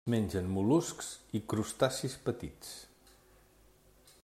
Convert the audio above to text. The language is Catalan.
Mengen mol·luscs i crustacis petits.